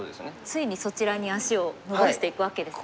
ついにそちらに足をのばしていくわけですね。